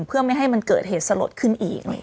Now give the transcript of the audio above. เพื่อไม่ให้มันเกิดเหตุสลดขึ้นอีก